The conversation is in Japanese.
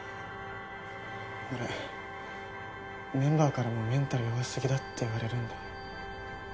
俺メンバーからもメンタル弱すぎだって言われるんだ。